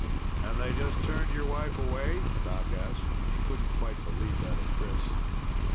"And they just turned your wife away?" Doc asked. He couldn't quite believe that of Chris.